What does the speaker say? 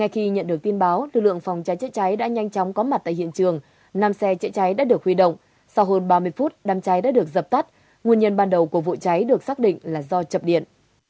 khi nhận được tin báo lực lượng phòng cháy chữa cháy đã nhanh chóng có mặt tại hiện trường năm xe chữa cháy đã được huy động sau hơn ba mươi phút đám cháy đã được dập tắt nguyên nhân ban đầu của vụ cháy được xác định là do chập điện